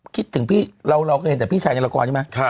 คิดถึงพี่เราก็เห็นแต่พี่ชายอย่างละก่อนใช่ไหม